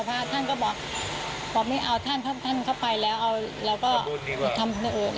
พระท่านก็บอกบอกไม่เอาท่านเข้าไปแล้วแล้วก็ทำคนอื่น